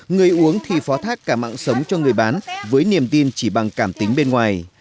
người uống thì phó thác cả mạng sống cho người bán với niềm tin chỉ bằng cảm tính bên ngoài